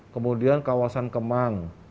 kemudian kawasan kemang